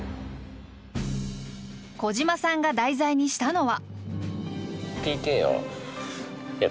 小島さんが題材にしたのは。